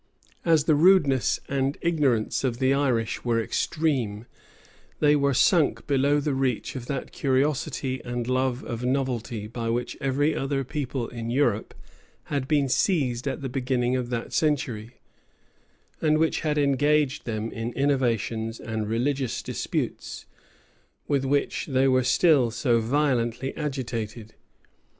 As the rudeness and ignorance of the Irish were extreme they were sunk below the reach of that curiosity and love of novelty by which every other people in Europe had been seized at the beginning of that century, and which had engaged them in innovations and religious disputes, with which they were still so violently agitated.